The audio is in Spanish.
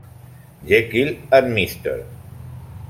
Jekyll and Mr.